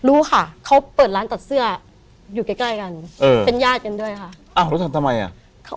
รู้ค่ะเขาเปิดร้านตัดเสื้ออยู่ใกล้กันเป็นญาติกันด้วยค่ะอ๊ะแล้วทำไมค่ะ